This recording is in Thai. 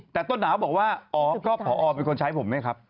แต่ต้นหนาวบอกว่าอ๋อก็ผอเป็นคนใช้ผมไหมครับ